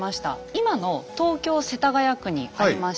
今の東京・世田谷区にありました